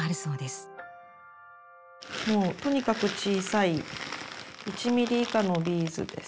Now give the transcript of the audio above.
もうとにかく小さい１ミリ以下のビーズです。